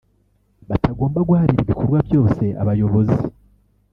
batagomba guharira ibikorwa byose abayobozi